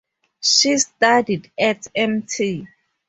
She studied at Mt.